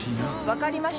・分かりました。